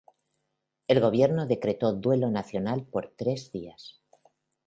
El gobierno decretó duelo nacional por tres días.